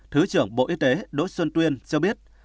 thứ trưởng bộ y tế đỗ xuân tuyên cho biết